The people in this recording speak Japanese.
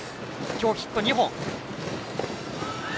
今日ヒット２本。